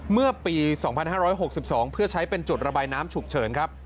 เมื่อปี๒๕๖๒เพื่อใช้เป็นจุดระบายน้ำฉุกเฉินครับ